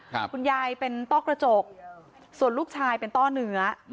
คุณยายเป็นต้อกระจกส่วนลูกชายเป็นต้อเนื้อ